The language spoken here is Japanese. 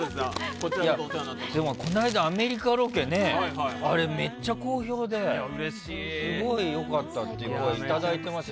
でもこの間、アメリカロケめっちゃ好評ですごい良かったって声をいただいていますよ。